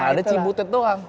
karena ada cibutet doang